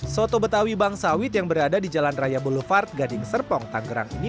soto betawi bangsawit yang berada di jalan raya boulevard gading serpong tangerang ini